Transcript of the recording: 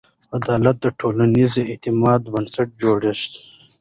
عدالت د ټولنیز اعتماد بنسټ جوړوي.